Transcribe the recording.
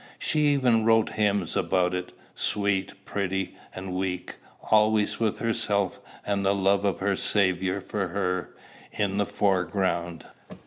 She even wrote hymns about it, sweet, pretty, and weak, always with herself and the love of her Saviour for her, in the foreground.